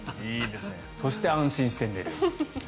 そして、安心して寝る。